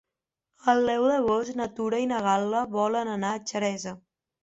El deu d'agost na Tura i na Gal·la volen anar a Xeresa.